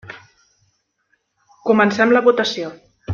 Comencem la votació.